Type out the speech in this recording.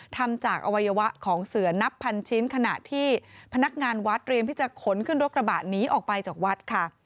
ทำจากอวัยวะของเสือนับพันชิ้นขณะที่พนักงานวัดเตรียมที่จะขนขึ้นรถกระบะหนีออกไปจากวัดค่ะ